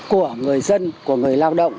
của người dân của người lao động